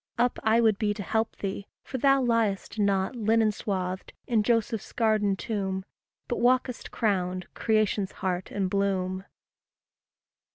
Up I would be to help thee for thou liest Not, linen swathed in Joseph's garden tomb, But walkest crowned, creation's heart and bloom.